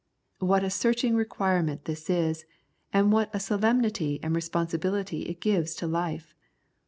What a searching requirement this is, and what a solemnity and responsibility it gives to life